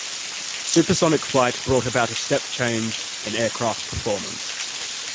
Supersonic flight brought about a step change in aircraft performance.